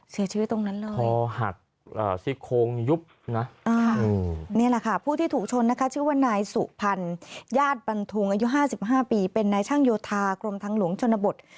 เสียชีวิตตรงนั้นเลยคอหักซี่โคงยุบนะนี่แหละค่ะผู้ที่ถูกชนนะคะชื่อว่านายสุพรรณญาติบันทุงอายุ๕๕ปีเป็นนายช่างโยธากรมทางหลวงชนบท